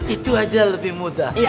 itu saja lebih mudah